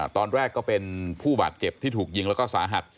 ตอนแรกก็เป็นผู้บาดเจ็บที่ถูกยิงแล้วก็สาหัส